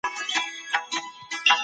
هغې خپل رییس ښه پېژندلی و.